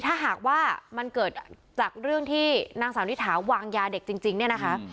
ถ้าหากว่ามันเกิดจากเรื่องที่นางสาวนิถาวางยาเด็กจริงเนี่ยนะคะ